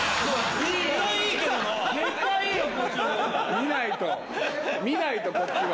見ないと見ないとこっちを。